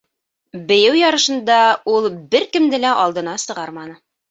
Бейеү ярышында ул бер кемде лә алдына сығарманы.